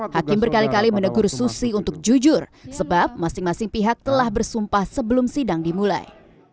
hakim berkali kali menegur susi untuk jujur sebab masing masing pihak telah bersumpah sebelum sidang dimulai